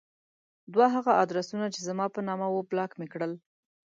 دوه هغه ادرسونه چې زما په نامه وو بلاک مې کړل.